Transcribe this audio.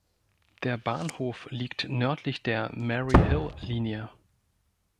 Der Bahnhof liegt nördlich der Maryhill-Linie.